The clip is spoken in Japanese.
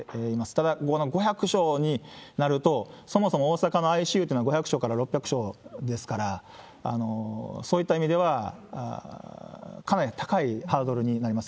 ただ、この５００床になると、そもそも大阪のＩＣＵっていうのは５００床から６００床ですから、そういった意味では、かなり高いハードルになります。